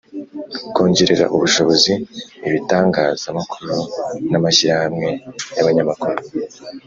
Kongerera ubushobozi ibitangazamakuru n amashyirahamwe y abanyamakuru